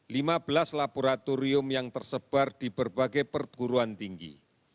lima belas laboratorium yang tersebar di berbagai perguruan tinggi